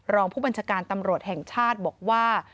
รองผู้บัญชาการตำรวจแห่งชาติบอกว่า